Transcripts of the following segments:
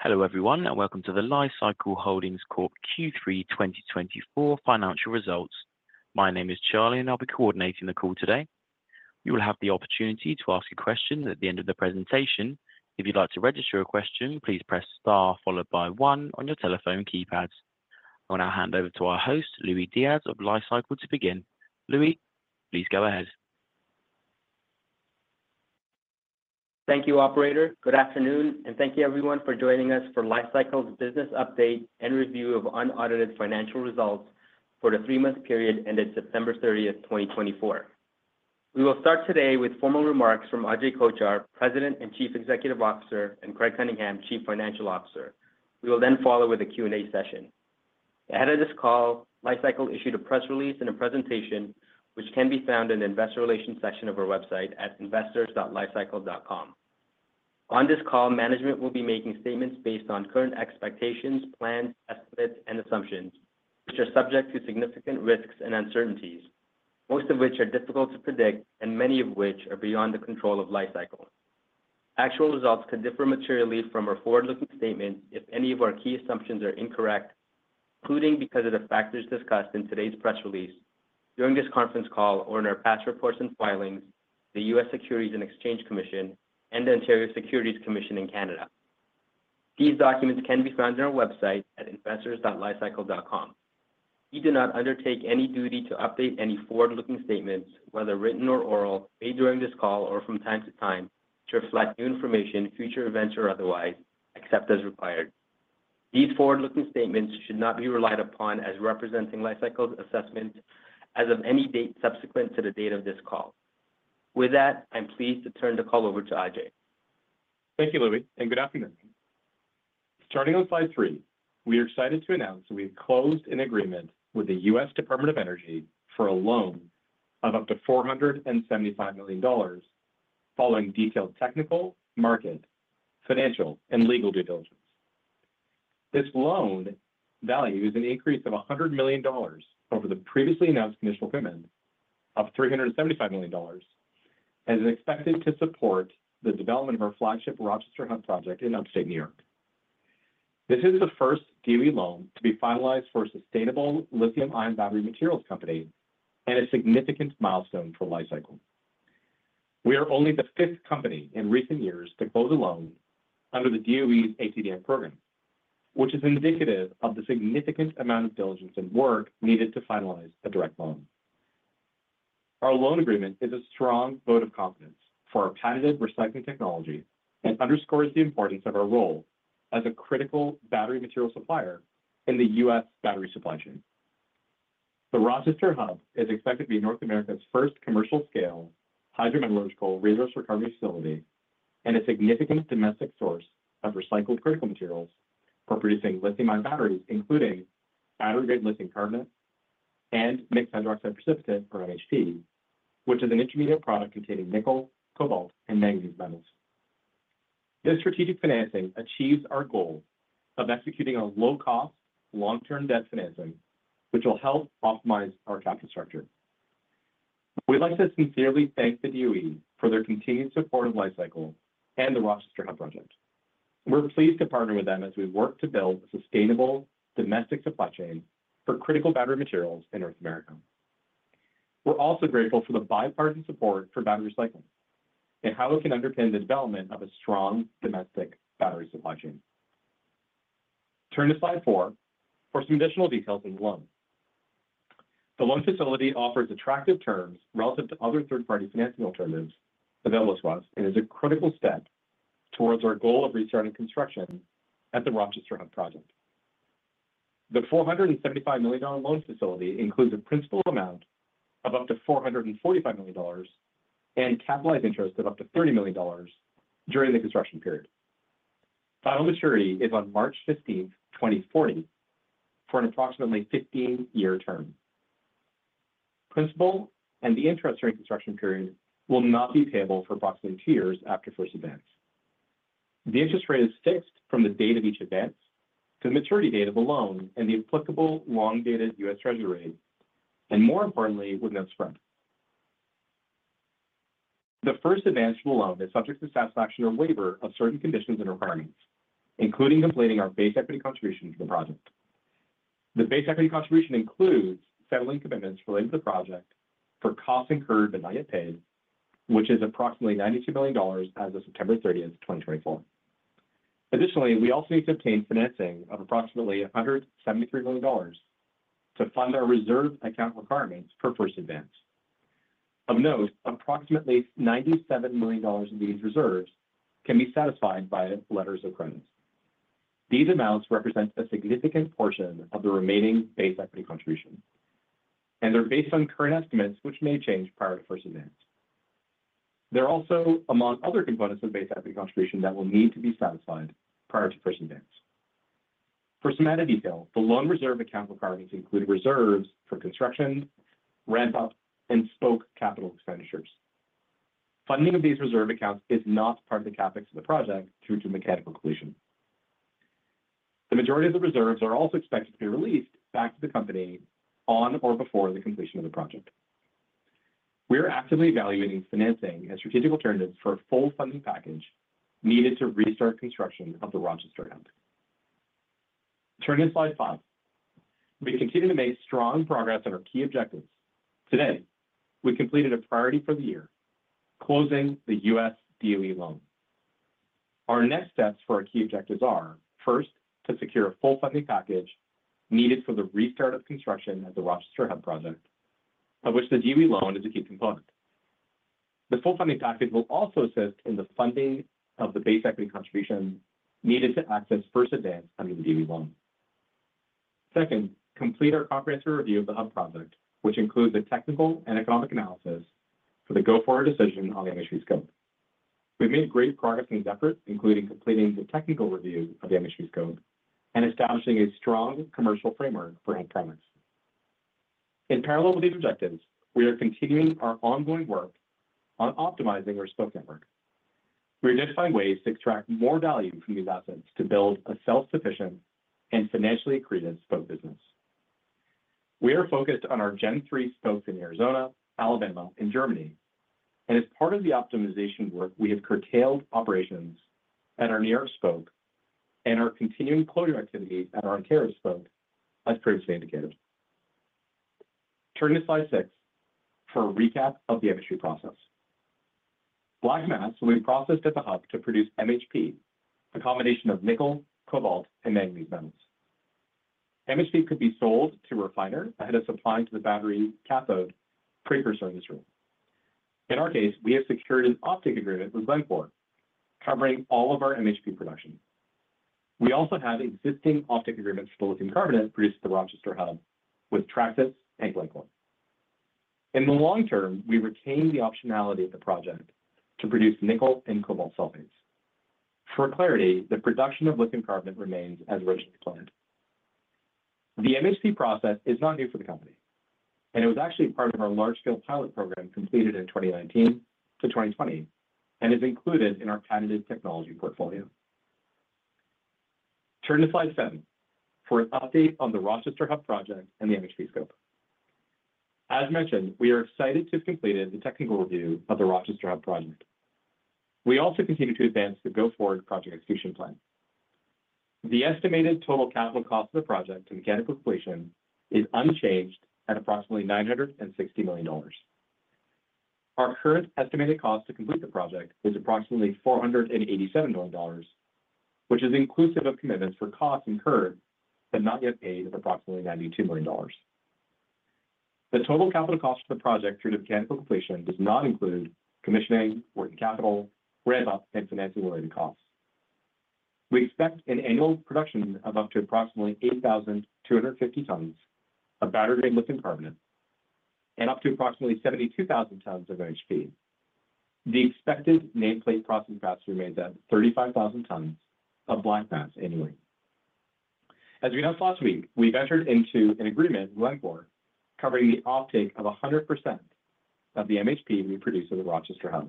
Hello everyone, and welcome to the Li-Cycle Holdings Corp. Q3 2024 financial results. My name is Charlie, and I'll be coordinating the call today. You will have the opportunity to ask a question at the end of the presentation. If you'd like to register a question, please press star followed by one on your telephone keypads. I will now hand over to our host, Louie Diaz of Li-Cycle, to begin. Louie, please go ahead. Thank you, Operator. Good afternoon, and thank you everyone for joining us for Li-Cycle's business update and review of unaudited financial results for the three-month period ended September 30, 2024. We will start today with formal remarks from Ajay Kochhar, President and Chief Executive Officer, and Craig Cunningham, Chief Financial Officer. We will then follow with a Q&A session. Ahead of this call, Li-Cycle issued a press release and a presentation, which can be found in the investor relations section of our website at investors.li-cycle.com. On this call, management will be making statements based on current expectations, plans, estimates, and assumptions, which are subject to significant risks and uncertainties, most of which are difficult to predict, and many of which are beyond the control of Li-Cycle. Actual results could differ materially from our forward-looking statements if any of our key assumptions are incorrect, including because of the factors discussed in today's press release, during this conference call, or in our past reports and filings, the U.S. Securities and Exchange Commission, and the Ontario Securities Commission in Canada. These documents can be found on our website at investors.li-cycle.com. We do not undertake any duty to update any forward-looking statements, whether written or oral, made during this call or from time to time, to reflect new information, future events, or otherwise, except as required. These forward-looking statements should not be relied upon as representing Li-Cycle's assessment as of any date subsequent to the date of this call. With that, I'm pleased to turn the call over to Ajay. Thank you, Louie, and good afternoon. Starting on slide three, we are excited to announce that we have closed an agreement with the U.S. Department of Energy for a loan of up to $475 million, following detailed technical, market, financial, and legal due diligence. This loan value is an increase of $100 million over the previously announced initial payment of $375 million, and is expected to support the development of our flagship Rochester Hub project in Upstate New York. This is the first DOE loan to be finalized for a sustainable lithium-ion battery materials company and a significant milestone for Li-Cycle. We are only the fifth company in recent years to close a loan under the DOE's ATVM program, which is indicative of the significant amount of diligence and work needed to finalize a direct loan. Our loan agreement is a strong vote of confidence for our patented recycling technology and underscores the importance of our role as a critical battery material supplier in the U.S. battery supply chain. The Rochester Hub is expected to be North America's first commercial-scale hydrometallurgical resource recovery facility and a significant domestic source of recycled critical materials for producing lithium-ion batteries, including battery-grade lithium carbonate and mixed hydroxide precipitate, or MHP, which is an intermediate product containing nickel, cobalt, and manganese metals. This strategic financing achieves our goal of executing a low-cost, long-term debt financing, which will help optimize our capital structure. We'd like to sincerely thank the DOE for their continued support of Li-Cycle and the Rochester Hub project. We're pleased to partner with them as we work to build a sustainable domestic supply chain for critical battery materials in North America. We're also grateful for the bipartisan support for battery recycling and how it can underpin the development of a strong domestic battery supply chain. Turn to slide four for some additional details on the loan. The loan facility offers attractive terms relative to other third-party financing alternatives available to us and is a critical step towards our goal of restarting construction at the Rochester Hub project. The $475 million loan facility includes a principal amount of up to $445 million and capitalized interest of up to $30 million during the construction period. Final maturity is on March 15, 2040, for an approximately 15-year term. Principal and the interest during construction period will not be payable for approximately two years after first advance. The interest rate is fixed from the date of each advance to the maturity date of the loan and the applicable long-dated U.S. Treasury rate, and more importantly, with no spread. The first advance to the loan is subject to the satisfaction or waiver of certain conditions and requirements, including completing our base equity contribution to the project. The base equity contribution includes settling commitments related to the project for costs incurred but not yet paid, which is approximately $92 million as of September 30, 2024. Additionally, we also need to obtain financing of approximately $173 million to fund our reserve account requirements for first advance. Of note, approximately $97 million of these reserves can be satisfied by letters of credit. These amounts represent https://editor.inflexiontranscribe.com/static/media/icon-play.39003f0a4baacd961cc853b952165cc5.svga significant portion of the remaining base equity contribution, and they're based on current estimates, which may change prior to first advance. There are also among other components of base equity contribution that will need to be satisfied prior to first advance. For some added detail, the loan reserve account requirements include reserves for construction, ramp-up, and Spoke capital expenditures. Funding of these reserve accounts is not part of the CapEx of the project through to mechanical completion. The majority of the reserves are also expected to be released back to the company on or before the completion of the project. We are actively evaluating financing and strategic alternatives for a full funding package needed to restart construction of the Rochester Hub. Turning to slide five, we continue to make strong progress on our key objectives. Today, we completed a priority for the year, closing the U.S. DOE loan. Our next steps for our key objectives are, first, to secure a full funding package needed for the restart of construction at the Rochester Hub project, of which the DOE loan is a key component. The full funding package will also assist in the funding of the base equity contribution needed to access first advance under the DOE loan. Second, complete our comprehensive review of the Hub project, which includes a technical and economic analysis for the go-forward decision on the MHP scope. We've made great progress in this effort, including completing the technical review of the MHP scope and establishing a strong commercial framework for end products. In parallel with these objectives, we are continuing our ongoing work on optimizing our spoke network. We identify ways to extract more value from these assets to build a self-sufficient and financially accretive spoke business. We are focused on our Gen 3 spokes in Arizona, Alabama, and Germany, and as part of the optimization work, we have curtailed operations at our New York spoke and are continuing closure activities at our Ontario spoke, as previously indicated. Turning to slide six for a recap of the MHP process. Black mass will be processed at the Hub to produce MHP, a combination of nickel, cobalt, and manganese metals. MHP could be sold to a refiner ahead of supplying to the battery cathode precursor. In our case, we have secured an offtake agreement with Glencore, covering all of our MHP production. We also have existing offtake agreements for the lithium carbonate produced at the Rochester Hub with Traxys and Glencore. In the long term, we retain the optionality of the project to produce nickel and cobalt sulfates. For clarity, the production of lithium carbonate remains as originally planned. The MHP process is not new for the company, and it was actually part of our large-scale pilot program completed in 2019 to 2020 and is included in our patented technology portfolio. Turn to slide seven for an update on the Rochester Hub project and the MHP scope. As mentioned, we are excited to have completed the technical review of the Rochester Hub project. We also continue to advance the go-forward project execution plan. The estimated total capital cost of the project to mechanical completion is unchanged at approximately $960 million. Our current estimated cost to complete the project is approximately $487 million, which is inclusive of commitments for costs incurred but not yet paid at approximately $92 million. The total capital cost of the project through the mechanical completion does not include commissioning, working capital, ramp-up, and financing-related costs. We expect an annual production of up to approximately 8,250 tons of battery-grade lithium carbonate and up to approximately 72,000 tons of MHP. The expected nameplate processing capacity remains at 35,000 tons of black mass annually. As we announced last week, we've entered into an agreement with Glencore covering the offtake of 100% of the MHP we produce at the Rochester Hub.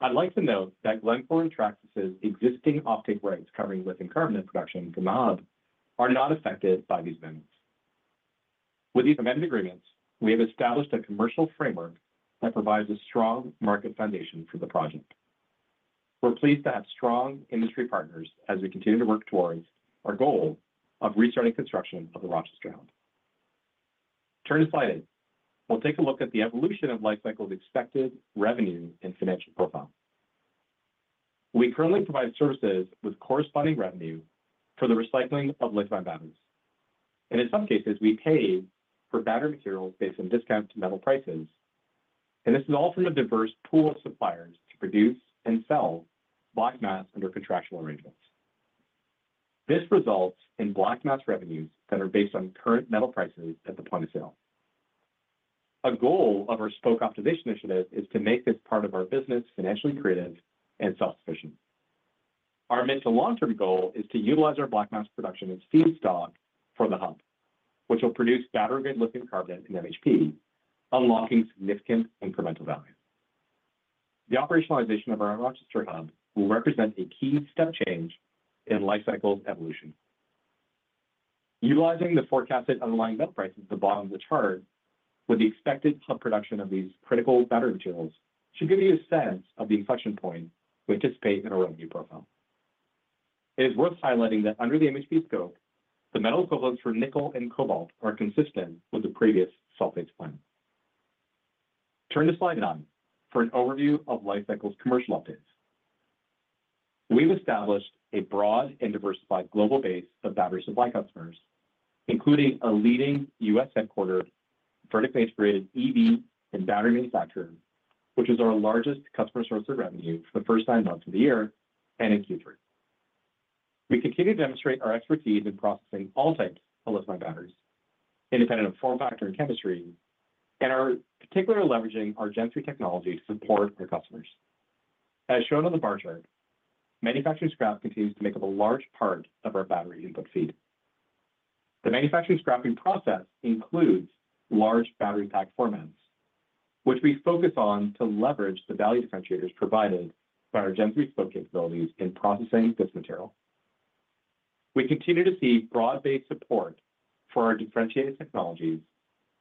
I'd like to note that Glencore and Traxys's existing offtake rights covering lithium carbonate production from the Hub are not affected by these amendments. With these amended agreements, we have established a commercial framework that provides a strong market foundation for the project. We're pleased to have strong industry partners as we continue to work towards our goal of restarting construction of the Rochester Hub. Turning to slide eight, we'll take a look at the evolution of Li-Cycle's expected revenue and financial profile. We currently provide services with corresponding revenue for the recycling of lithium-ion batteries, and in some cases, we pay for battery materials based on discounted metal prices, and this is all from a diverse pool of suppliers to produce and sell black mass under contractual arrangements. This results in black mass revenues that are based on current metal prices at the point of sale. A goal of our Spoke optimization initiative is to make this part of our business financially accretive and self-sufficient. Our mid-to-long-term goal is to utilize our black mass production as feedstock for the Hub, which will produce battery-grade lithium carbonate and MHP, unlocking significant incremental value. The operationalization of our Rochester Hub will represent a key step change in Li-Cycle's evolution. Utilizing the forecasted underlying metal prices at the bottom of the chart with the expected HUB production of these critical battery materials should give you a sense of the inflection point we anticipate in our revenue profile. It is worth highlighting that under the MHP scope, the metal equivalents for nickel and cobalt are consistent with the previous sulfates plan. Turn to slide nine for an overview of Li-Cycle's commercial updates. We've established a broad and diversified global base of battery supply customers, including a leading U.S.-headquartered, vertically integrated EV and battery manufacturer, which is our largest customer source of revenue for the first nine months of the year and in Q3. We continue to demonstrate our expertise in processing all types of lithium-ion batteries, independent of form factor and chemistry, and are particularly leveraging our Gen 3 technology to support our customers. As shown on the bar chart, manufacturing scrap continues to make up a large part of our battery input feed. The manufacturing scrapping process includes large battery pack formats, which we focus on to leverage the value differentiators provided by our Gen 3 Spoke capabilities in processing this material. We continue to see broad-based support for our differentiated technologies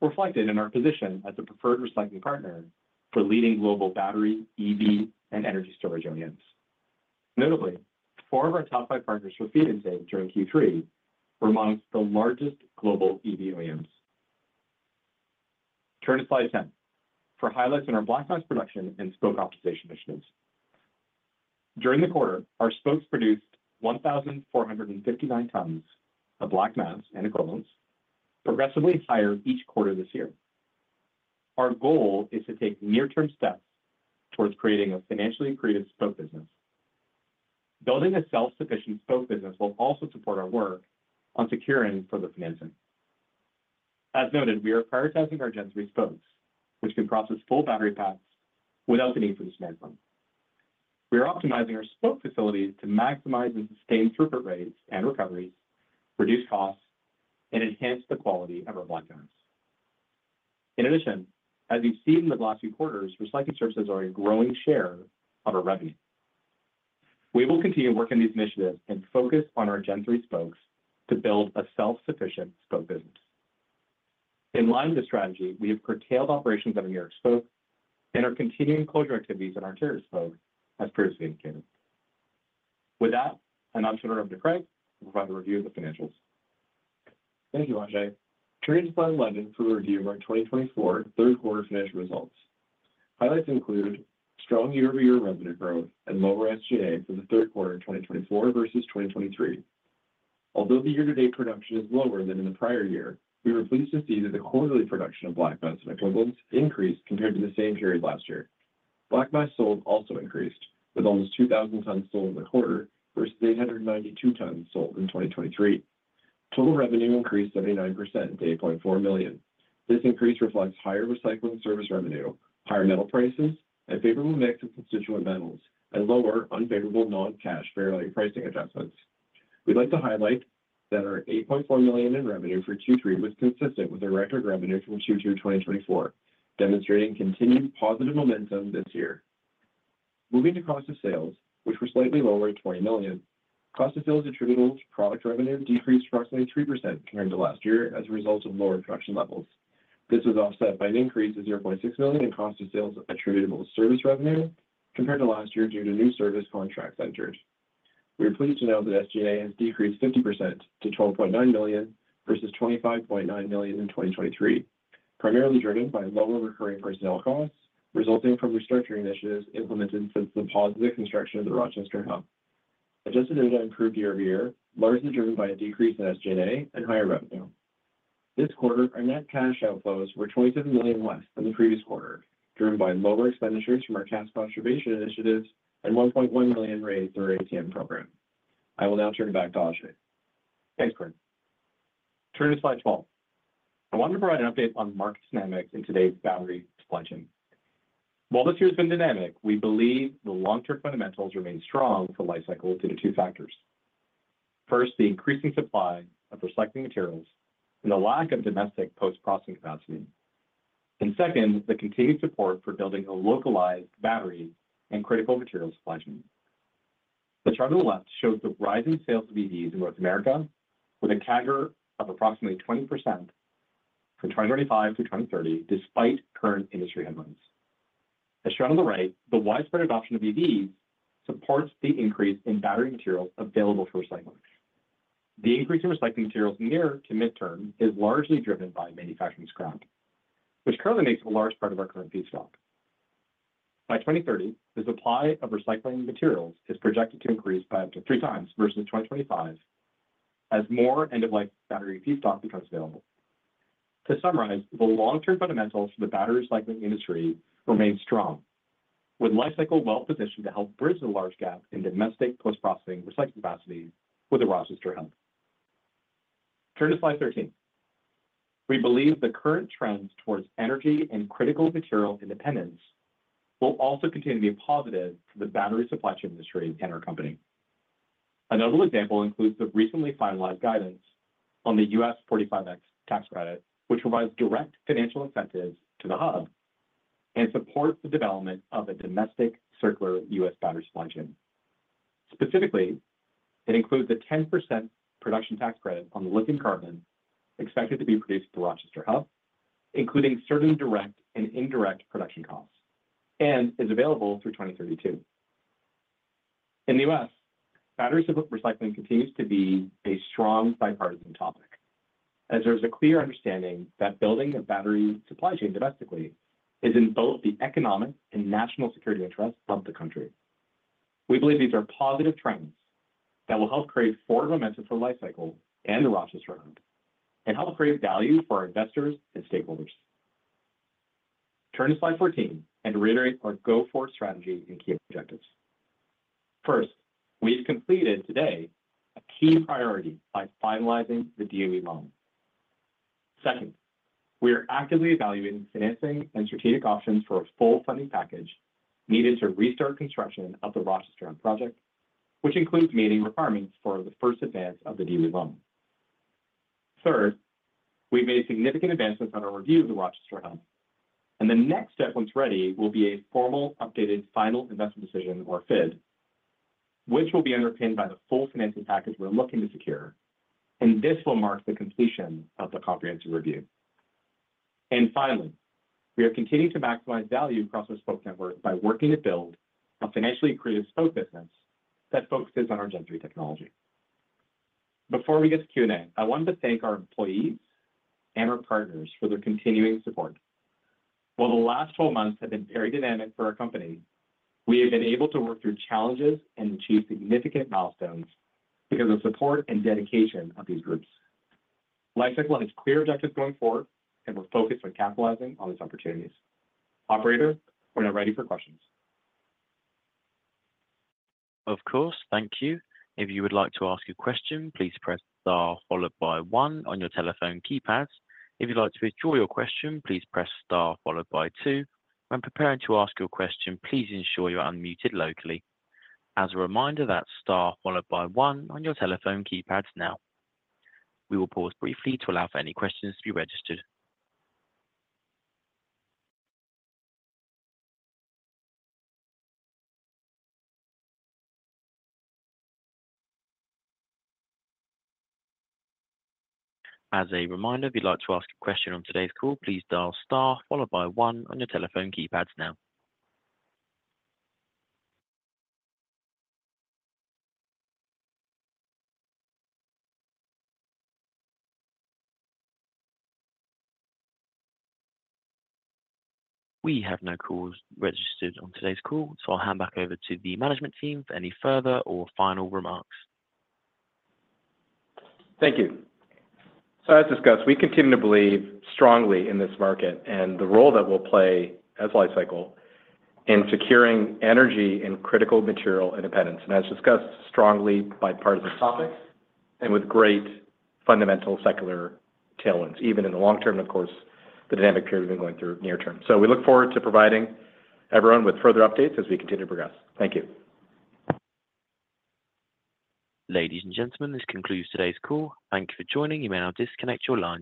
reflected in our position as a preferred recycling partner for leading global battery, EV, and energy storage OEMs. Notably, four of our top five partners for feed intake during Q3 were amongst the largest global EV OEMs. Turn to slide 10 for highlights in our black mass production and Spoke optimization initiatives. During the quarter, our Spokes produced 1,459 tons of black mass and equivalents, progressively higher each quarter this year. Our goal is to take near-term steps towards creating a financially accretive Spoke business. Building a self-sufficient Spoke business will also support our work on securing further financing. As noted, we are prioritizing our Gen 3 Spokes, which can process full battery packs without the need for this financing. We are optimizing our Spoke facilities to maximize and sustain throughput rates and recoveries, reduce costs, and enhance the quality of our black mass. In addition, as you've seen in the last few quarters, recycling services are a growing share of our revenue. We will continue working on these initiatives and focus on our Gen 3 Spokes to build a self-sufficient Spoke business. In line with this strategy, we have curtailed operations on the New York Spoke and are continuing closure activities on Ontario Spoke, as previously indicated. With that, I'm now turning it over to Craig to provide a review of the financials. Thank you, Ajay. Turning to slide 11 for a review of our 2024 third-quarter financial results. Highlights include strong year-over-year revenue growth and lower SG&A for the third quarter of 2024 versus 2023. Although the year-to-date production is lower than in the prior year, we were pleased to see that the quarterly production of black mass and equivalents increased compared to the same period last year. Black mass sold also increased, with almost 2,000 tons sold in the quarter versus 892 tons sold in 2023. Total revenue increased 79% to $8.4 million. This increase reflects higher recycling service revenue, higher metal prices, a favorable mix of constituent metals, and lower unfavorable non-cash fair value pricing adjustments. We'd like to highlight that our $8.4 million in revenue for Q3 was consistent with our record revenue from Q2 2024, demonstrating continued positive momentum this year. Moving to cost of sales, which were slightly lower at $20 million. Cost of sales attributable to product revenue decreased approximately 3% compared to last year as a result of lower production levels. This was offset by an increase of $0.6 million in cost of sales attributable to service revenue compared to last year due to new service contracts entered into. We're pleased to note that SG&A has decreased 50% to $12.9 million versus $25.9 million in 2023, primarily driven by lower recurring personnel costs resulting from restructuring initiatives implemented since the pause in construction of the Rochester Hub. Adjusted EBITDA improved year-over-year, largely driven by a decrease in SG&A and higher revenue. This quarter, our net cash outflows were $27 million less than the previous quarter, driven by lower expenditures from our cash conservation initiatives and $1.1 million raised through our ATM program. I will now turn it back to Ajay. Thanks, Craig. Turning to slide 12, I wanted to provide an update on market dynamics in today's battery supply chain. While this year has been dynamic, we believe the long-term fundamentals remain strong for Li-Cycle due to two factors. First, the increasing supply of recycling materials and the lack of domestic post-processing capacity, and second, the continued support for building a localized battery and critical materials supply chain. The chart on the left shows the rising sales of EVs in North America, with a CAGR of approximately 20% from 2025 to 2030, despite current industry headlines. As shown on the right, the widespread adoption of EVs supports the increase in battery materials available for recycling. The increase in recycling materials near to midterm is largely driven by manufacturing scrap, which currently makes a large part of our current feedstock. By 2030, the supply of recycling materials is projected to increase by up to three times versus 2025 as more end-of-life battery feedstock becomes available. To summarize, the long-term fundamentals for the battery recycling industry remain strong, with Li-Cycle well-positioned to help bridge the large gap in domestic post-processing recycling capacity with the Rochester Hub. Turn to slide 13. We believe the current trend towards energy and critical material independence will also continue to be positive for the battery supply chain industry and our company. A notable example includes the recently finalized guidance on the U.S. 45X tax credit, which provides direct financial incentives to the Hub and supports the development of a domestic circular U.S. battery supply chain. Specifically, it includes a 10% production tax credit on the lithium carbonate expected to be produced at the Rochester Hub, including certain direct and indirect production costs, and is available through 2032. In the U.S., battery recycling continues to be a strong bipartisan topic, as there is a clear understanding that building a battery supply chain domestically is in both the economic and national security interests of the country. We believe these are positive trends that will help create forward momentum for Li-Cycle and the Rochester Hub and help create value for our investors and stakeholders. Turn to slide 14 and reiterate our go-forward strategy and key objectives. First, we've completed today a key priority by finalizing the DOE loan. Second, we are actively evaluating financing and strategic options for a full funding package needed to restart construction of the Rochester Hub project, which includes meeting requirements for the first advance of the DOE loan. Third, we've made significant advancements on our review of the Rochester Hub, and the next step, once ready, will be a formal updated final investment decision, or FID, which will be underpinned by the full financing package we're looking to secure, and this will mark the completion of the comprehensive review. Finally, we are continuing to maximize value across our Spoke network by working to build a financially accretive Spoke business that focuses on our Gen 3 technology. Before we get to Q&A, I wanted to thank our employees and our partners for their continuing support. While the last 12 months have been very dynamic for our company, we have been able to work through challenges and achieve significant milestones because of support and dedication of these groups. Li-Cycle has clear objectives going forward, and we're focused on capitalizing on these opportunities. Operator, we're now ready for questions. Of course, thank you. If you would like to ask a question, please press star followed by one on your telephone keypad. If you'd like to withdraw your question, please press star followed by two. When preparing to ask your question, please ensure you're unmuted locally. As a reminder, that's star followed by one on your telephone keypad now. We will pause briefly to allow for any questions to be registered. As a reminder, if you'd like to ask a question on today's call, please dial star followed by one on your telephone keypad now. We have no calls registered on today's call, so I'll hand back over to the management team for any further or final remarks. Thank you. So, as discussed, we continue to believe strongly in this market and the role that we'll play as Li-Cycle in securing energy and critical material independence. And as discussed, strongly bipartisan topics and with great fundamental secular tailwinds, even in the long term, and of course, the dynamic period we've been going through near term. So we look forward to providing everyone with further updates as we continue to progress. Thank you. Ladies and gentlemen, this concludes today's call. Thank you for joining. You may now disconnect your lines.